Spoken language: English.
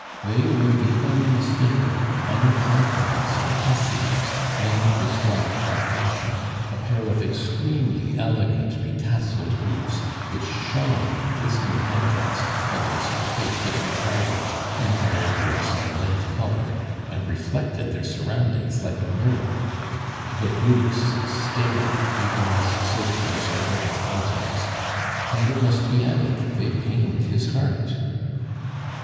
They were the unmistakable, uncompromising hessians then prescribed by fashion, a pair of extremely elegant betasseled boots, which shone in glistening contrast against tight fitting trousers invariably of some light color, and reflected their surroundings like a mirror. The boots stared the honest silk mercer out of countenance, and, it must be added, they pained his heart.